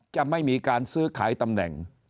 จะไม่มีการซื้อขายตำแหน่ง